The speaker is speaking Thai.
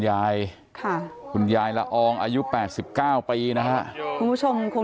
ยายค่ะคุณยายละอองอายุแปดสิบเก้าปีนะรอคุณผู้ชมคง